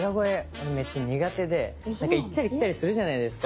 俺めっちゃ苦手でなんか行ったり来たりするじゃないですか。